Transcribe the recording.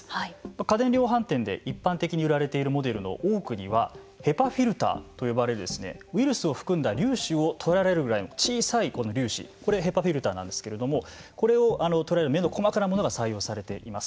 家電量販店で一般的に売られているモデルの多くにはＨＥＰＡフィルターと呼ばれるウイルスを含んだ粒子を捉えられるぐらいの小さな目の小さい粒子これなんですけどこれを捉える目の細かなものがあります。